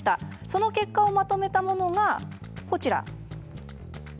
その結果をまとめたものがこちら。